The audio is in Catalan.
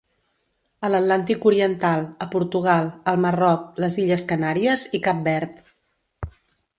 A l'Atlàntic oriental, a Portugal, el Marroc, les Illes Canàries i Cap Verd.